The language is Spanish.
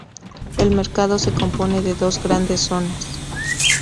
El mercado se compone de dos grandes zonas.